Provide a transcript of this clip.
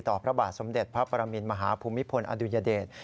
พระบาทสมเด็จพระปรมินมหาภูมิพลอดุญเดช